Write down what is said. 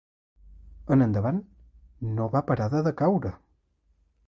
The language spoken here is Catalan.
En endavant no va parar de decaure.